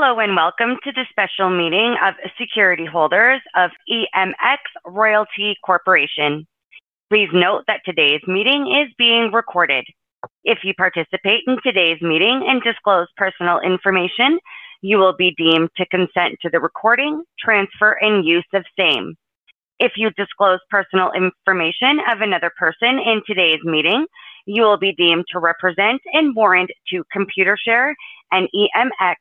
Hello and welcome to the special meeting of security holders of EMX Royalty Corporation. Please note that today's meeting is being recorded. If you participate in today's meeting and disclose personal information, you will be deemed to consent to the recording, transfer, and use of same. If you disclose personal information of another person in today's meeting, you will be deemed to represent and warrant to Computershare and EMX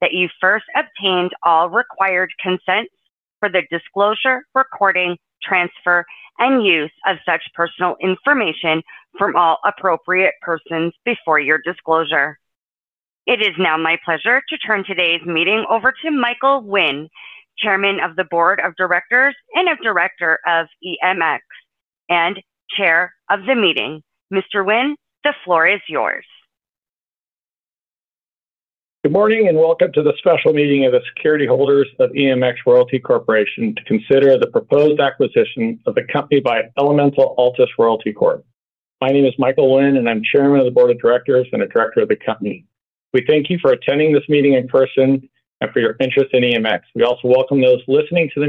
that you first obtained all required consents for the disclosure, recording, transfer, and use of such personal information from all appropriate persons before your disclosure. It is now my pleasure to turn today's meeting over to Michael Nguyen, Chairman of the Board of Directors and Director of EMX, and Chair of the meeting. Mr. Nguyen, the floor is yours. Good morning and welcome to the special meeting of the security holders of EMX Royalty Corporation to consider the proposed acquisition of the company by Elemental Altus Royalties Corp. My name is Michael Nguyen, and I'm Chairman of the Board of Directors and a Director of the Company. We thank you for attending this meeting in person and for your interest in EMX. We also welcome those listening to the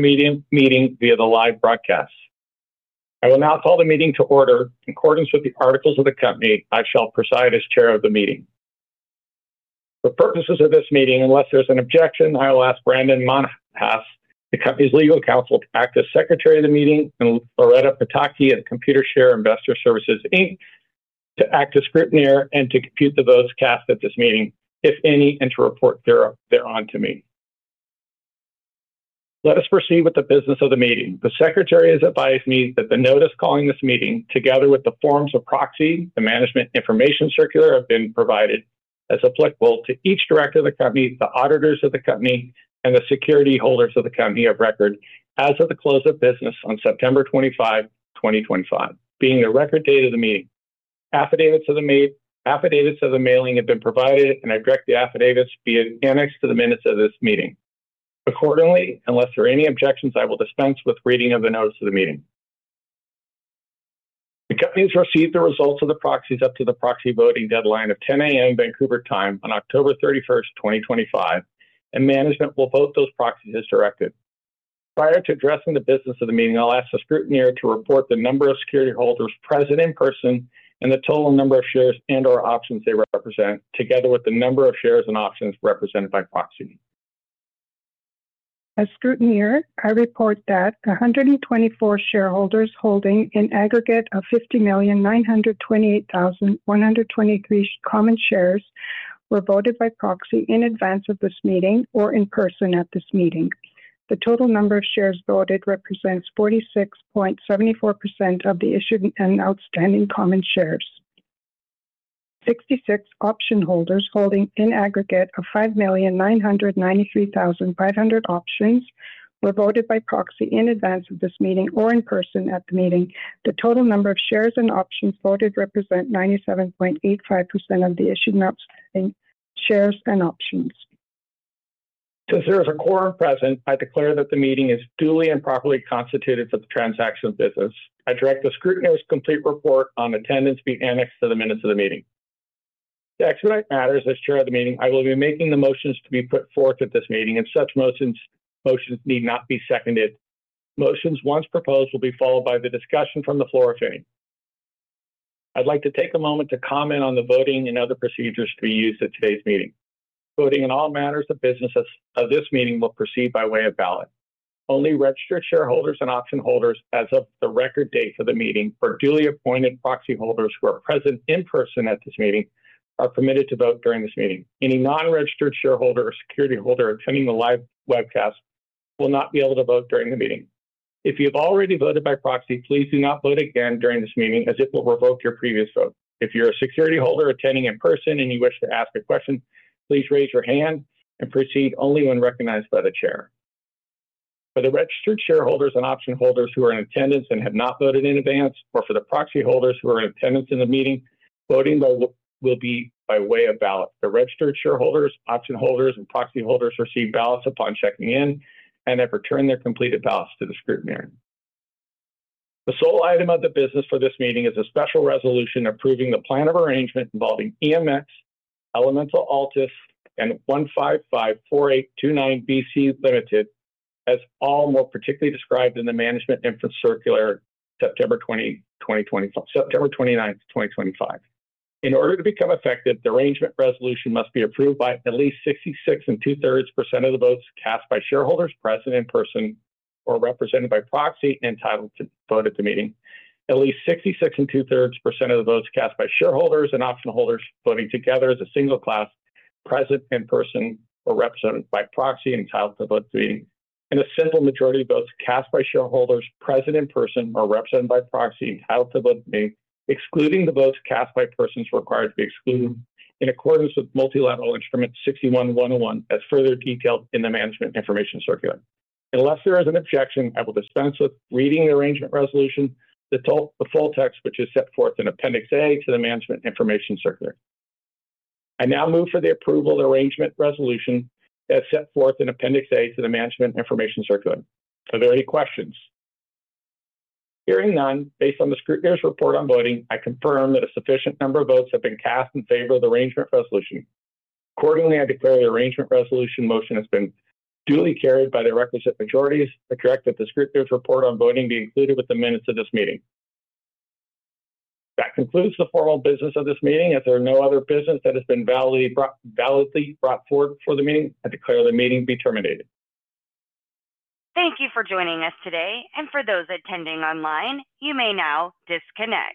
meeting via the live broadcast. I will now call the meeting to order. In accordance with the articles of the company, I shall preside as Chair of the meeting. For purposes of this meeting, unless there's an objection, I will ask Brandon Montour, the company's legal counsel, to act as Secretary of the meeting, and Loretta Pataki of Computershare Investor Services, Inc., to act as scrutineer and to compute the votes cast at this meeting, if any, and to report their own to me. Let us proceed with the business of the meeting. The Secretary has advised me that the notice calling this meeting, together with the forms of proxy, the management information circular have been provided, as applicable, to each Director of the Company, the Auditors of the Company, and the security holders of the Company of record, as of the close of business on September 25, 2025, being the record date of the meeting. Affidavits of the mailing have been provided, and I direct the affidavits be annexed to the minutes of this meeting. Accordingly, unless there are any objections, I will dispense with reading of the notice of the meeting. The company has received the results of the proxies up to the proxy voting deadline of 10:00 A.M. Vancouver Time on October 31, 2025, and management will vote those proxies as directed. Prior to addressing the business of the meeting, I'll ask the scrutineer to report the number of security holders present in person and the total number of shares and/or options they represent, together with the number of shares and options represented by proxy. As scrutineer, I report that 124 shareholders holding an aggregate of 50,928,123 common shares were voted by proxy in advance of this meeting or in person at this meeting. The total number of shares voted represents 46.74% of the issued and outstanding common shares. 66 option holders holding an aggregate of 5,993,500 options were voted by proxy in advance of this meeting or in person at the meeting. The total number of shares and options voted represents 97.85% of the issued and outstanding shares and options. Since there is a quorum present, I declare that the meeting is duly and properly constituted for the transaction of business. I direct the scrutineer's complete report on attendance be annexed to the minutes of the meeting. To expedite matters as Chair of the meeting, I will be making the motions to be put forth at this meeting, and such motions need not be seconded. Motions once proposed will be followed by the discussion from the floor, if any. I'd like to take a moment to comment on the voting and other procedures to be used at today's meeting. Voting in all matters of business of this meeting will proceed by way of ballot. Only registered shareholders and option holders, as of the record date for the meeting, or duly appointed proxy holders who are present in person at this meeting are permitted to vote during this meeting. Any non-registered shareholder or security holder attending the live webcast will not be able to vote during the meeting. If you've already voted by proxy, please do not vote again during this meeting, as it will revoke your previous vote. If you're a security holder attending in person and you wish to ask a question, please raise your hand and proceed only when recognized by the Chair. For the registered shareholders and option holders who are in attendance and have not voted in advance, or for the proxy holders who are in attendance in the meeting, voting will be by way of ballot. The registered shareholders, option holders, and proxy holders receive ballots upon checking in and have returned their completed ballots to the scrutineer. The sole item of the business for this meeting is a special resolution approving the plan of arrangement involving EMX, Elemental Altus, and 1554829 B.C. Ltd., as all more particularly described in the management information circular, September 29, 2025. In order to become effective, the arrangement resolution must be approved by at least 66 2/3% of the votes cast by shareholders present in person or represented by proxy entitled to vote at the meeting. At least 66 2/3% of the votes cast by shareholders and option holders voting together as a single class, present in person or represented by proxy entitled to vote at the meeting. And a simple majority of votes cast by shareholders present in person or represented by proxy entitled to vote at the meeting, excluding the votes cast by persons required to be excluded, in accordance with Multilateral Instrument 61-101, as further detailed in the management information circular. Unless there is an objection, I will dispense with reading the arrangement resolution, the full text, which is set forth in Appendix A to the management information circular. I now move for the approval of the arrangement resolution as set forth in Appendix A to the management information circular. Are there any questions? Hearing none, based on the scrutineer's report on voting, I confirm that a sufficient number of votes have been cast in favor of the arrangement resolution. Accordingly, I declare the arrangement resolution motion has been duly carried by the requisite majorities. I direct that the scrutineer's report on voting be included with the minutes of this meeting. That concludes the formal business of this meeting. As there are no other business that has been validly brought forward for the meeting, I declare the meeting to be terminated. Thank you for joining us today, and for those attending online, you may now disconnect.